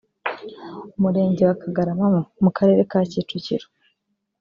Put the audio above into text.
Umurenge wa Kagarama mu Karere ka Kicukiro